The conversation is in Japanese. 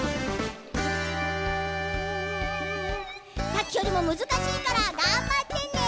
さっきよりもむずかしいからがんばってね。